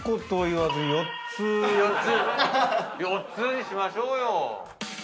４つにしましょうよ！